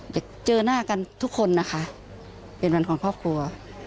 เจอหน้ากันทุกคนนะคะเป็นวันของครอบครัว